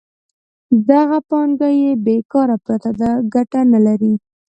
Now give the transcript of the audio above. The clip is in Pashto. دغه پانګه چې بېکاره پرته ده ګټه نلري